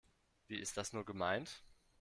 Wie ist das nur gemeint?